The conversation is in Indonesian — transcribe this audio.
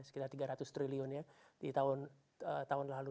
sekitar tiga ratus triliun ya di tahun lalu